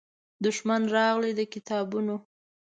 دښمن راغلی د کتابونو